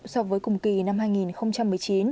so với cùng kỳ năm hai nghìn một mươi chín